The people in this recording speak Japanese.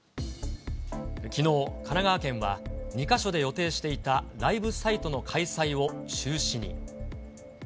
きのう、神奈川県は、２か所で予定していたライブサイトの開催を中止に。